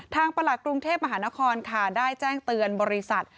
ประหลักกรุงเทพมหานครค่ะได้แจ้งเตือนบริษัท